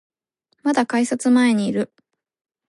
まだ改札前にいる